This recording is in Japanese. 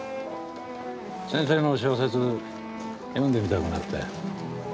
先生の小説読んでみたくなったよ。